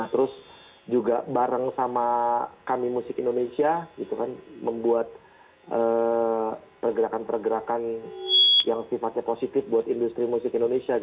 terus juga bareng sama kami musik indonesia gitu kan membuat pergerakan pergerakan yang sifatnya positif buat industri musik indonesia